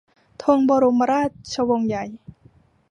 ธงบรมราชวงศ์ใหญ่